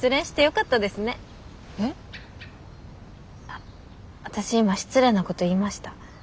あっ私今失礼なこと言いました？